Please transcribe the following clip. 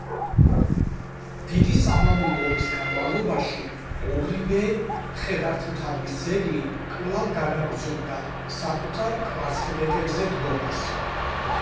დიდი სამამულო ომის განმავლობაში ორივე მხედართმთავრის ძეგლი კვლავ განაგრძობდა საკუთარ კვარცხლბეკებზე დგომას.